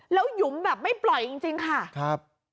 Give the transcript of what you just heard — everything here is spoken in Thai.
แล้วหยุมแบบไม่ปล่อยจริงค่ะครับ